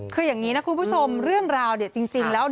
คืออย่างนี้นะคุณผู้ชมเรื่องราวจริงแล้ว